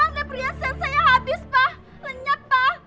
lihat pintu saya rusak pak